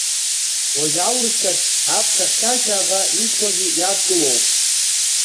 Уажәы, аурыс шәақь аԥса хьшәашәа аӷа изқәагьы иадкылоуп.